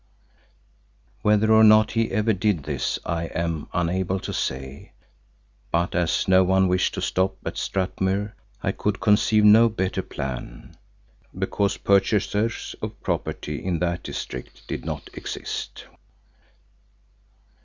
Whether or not he ever did this I am unable to say, but as no one wished to stop at Strathmuir, I could conceive no better plan because purchasers of property in that district did not exist.